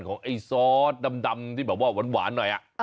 ไอ้ซอสดำที่แบบว่าหวานหน่อย